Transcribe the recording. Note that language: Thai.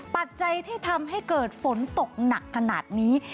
ปัจจัยที่ทำให้เกิดฝนตกหนักขนาดนี้